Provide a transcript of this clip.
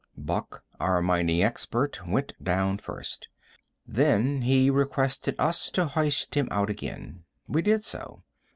Buck, our mining expert, went down first. Then he requested us to hoist him out again. We did so.